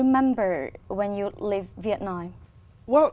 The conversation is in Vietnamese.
một đất nước tỉnh bình